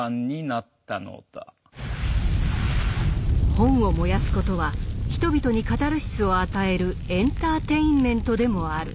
本を燃やすことは人々にカタルシスを与えるエンターテインメントでもある。